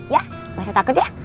ya gak usah takut ya